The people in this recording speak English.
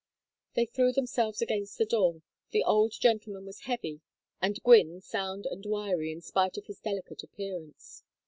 They threw themselves against the door. The old gentleman was heavy and Gwynne sound and wiry in spite of his delicate appearance.